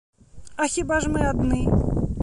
А хіба ж мы адны?